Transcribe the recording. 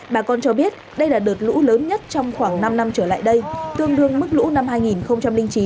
bà con cho biết đây là đợt lũ lớn nhất trong khoảng năm năm trở lại đây tương đương mức lũ năm hai nghìn chín